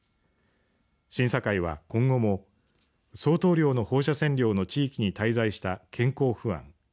審査会は、今後も相当量の放射線量の地域に滞在した健康不安。